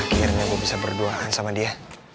akhirnya gue bisa berduaan sama dia